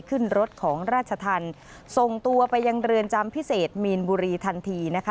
ขึ้นรถของราชธรรมส่งตัวไปยังเรือนจำพิเศษมีนบุรีทันทีนะคะ